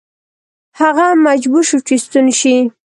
هغه مجبور شو چې ستون شي.